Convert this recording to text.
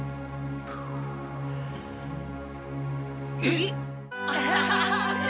えっ？